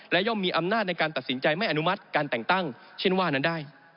และย่อมมีอำนาจในการตัดสินใจไม่อนุมัติการแต่งตั้งเช่นว่านั้นได้